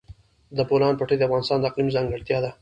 د بولان پټي د افغانستان د اقلیم ځانګړتیا ده.